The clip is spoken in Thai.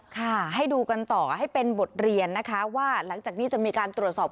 ค่ะให้ดูกันต่อให้เป็นบทเรียนนะคะว่าหลังจากนี้จะมีการตรวจสอบ